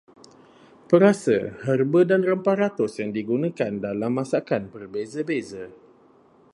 Perasa, herba dan rempah ratus yang digunakan dalam masakan berbeza-beza.